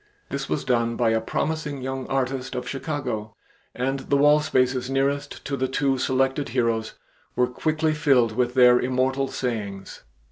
This was done by a promising young artist of Chicago, and the wall spaces nearest to the two selected heroes were quickly filled with their immortal sayings.